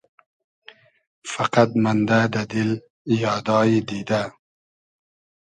فئقئد مئندۂ دۂ دیل یادای دیدۂ